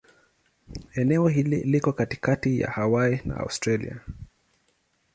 Eneo hili liko katikati ya Hawaii na Australia.